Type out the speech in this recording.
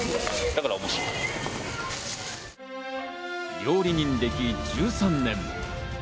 料理人歴１３年。